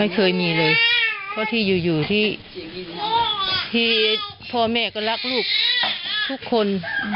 เพราะที่อยู่ที่พ่อแม่ก็รักลูกทุกคน